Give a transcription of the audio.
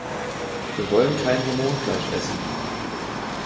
Wir wollen kein Hormonfleisch essen.